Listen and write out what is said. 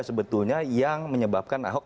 sebetulnya yang menyebabkan ahok